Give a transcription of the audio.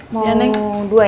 mau dua ya